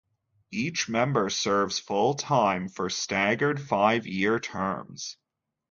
Each member serves full-time, for staggered five-year terms.